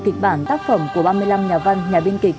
kịch bản tác phẩm của ba mươi năm nhà văn nhà biên kịch